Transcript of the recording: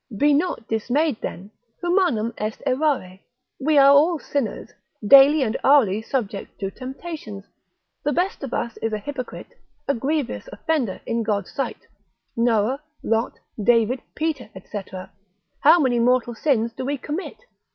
Be not dismayed then, humanum est errare, we are all sinners, daily and hourly subject to temptations, the best of us is a hypocrite, a grievous offender in God's sight, Noah, Lot, David, Peter, &c., how many mortal sins do we commit?